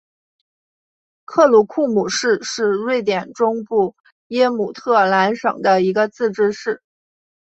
克鲁库姆市是瑞典中部耶姆特兰省的一个自治市。